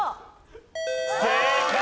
正解！